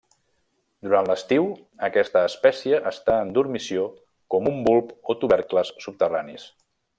Durant l'estiu aquesta espècie està en dormició com un bulb o tubercles subterranis.